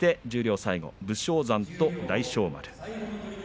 十両最後は武将山と大翔丸。